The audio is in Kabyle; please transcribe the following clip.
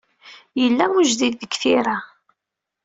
Yella ujdid deg tira.